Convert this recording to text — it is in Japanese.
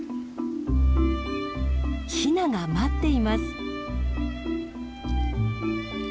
ヒナが待っています。